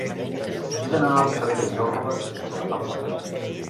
He d'anar al carrer de Jorba sense agafar el cotxe.